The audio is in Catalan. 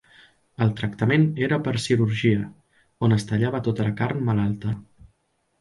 El tractament era per cirurgia, on es tallava tota la carn malalta.